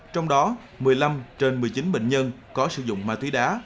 trong đó một mươi năm trên một mươi chín bệnh nhân có sử dụng ma túy đá